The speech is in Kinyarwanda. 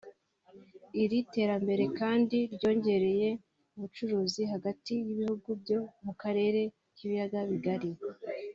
Iri terambere kandi ryongereye ubucuruzi hagati y’ibihugu byo mu karere k’ibiyaga bigari